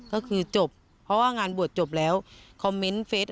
ไม่อยากให้มองแบบนั้นจบดราม่าสักทีได้ไหม